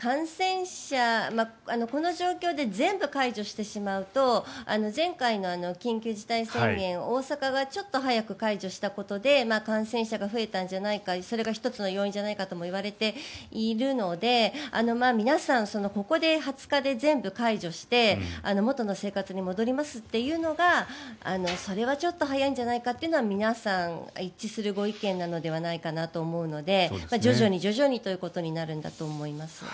この状況で全部解除してしまうと前回の緊急事態宣言大阪がちょっと早く解除したことで感染者が増えたんじゃないかそれが１つの要因じゃないかともいわれているので皆さん、ここで、２０日で全部解除して元の生活に戻りますっていうのがそれはちょっと早いんじゃないかというのは皆さん一致するご意見なんじゃないかなと思うので徐々に徐々にということになるんだと思います。